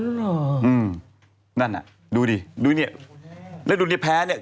นั่นหรออืมนั่นอ่ะดูดิดูเนี้ยแล้วดูเนี้ยแพ้เนี้ย